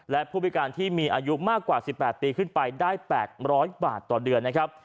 และผู้พิการที่มีอายุมากกว่า๑๘ปีขึ้นไปได้๘๐๐บาทต่อเดือนนะครับ